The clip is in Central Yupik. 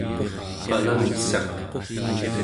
qalangssak